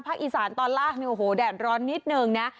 อีสานตอนล่างเนี่ยโอ้โหแดดร้อนนิดนึงนะ